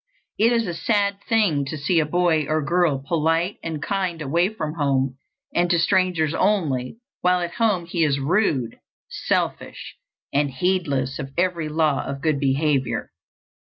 It is a sad thing to see a boy or girl polite and kind away from home and to strangers only, while at home he is rude, selfish, and heedless of every law of good behavior.